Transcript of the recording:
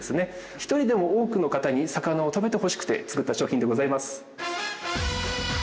一人でも多くの方に魚を食べてほしくて作った商品でございます。